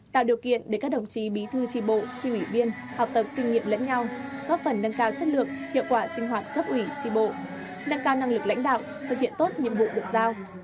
tạo điều kiện để các đồng chí bí thư tri bộ tri ủy viên học tập kinh nghiệm lẫn nhau góp phần nâng cao chất lượng hiệu quả sinh hoạt cấp ủy tri bộ nâng cao năng lực lãnh đạo thực hiện tốt nhiệm vụ được giao